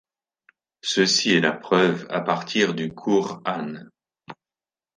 Ceci est la preuve à partir du Qour-ân.